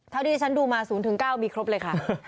ที่ที่ฉันดูมา๐๙มีครบเลยค่ะ